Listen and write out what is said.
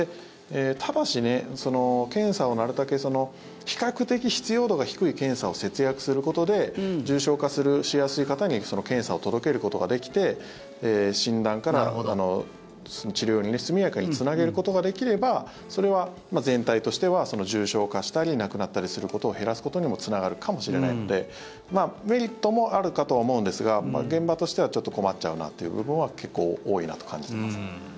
ただし、検査をなるたけ比較的必要度が低い検査を節約することで重症化しやすい方に検査を届けることができて診断から治療に速やかにつなげることができればそれは全体としては重症化したり亡くなったりすることを減らすことにもつながるかもしれないのでメリットもあるかとは思うんですが、現場としてはちょっと困っちゃうなという部分は結構多いなと感じています。